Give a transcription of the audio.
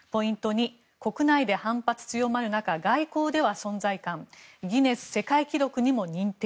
２国内で反発強まる中外交では存在感ギネス世界記録にも認定。